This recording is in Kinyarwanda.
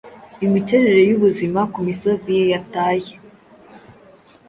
imiterere yubuzima kumisozi ye yataye